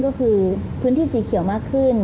ก็คือพื้นที่สีเขียวมากขึ้น